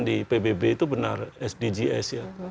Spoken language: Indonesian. di pbb itu benar sdgs ya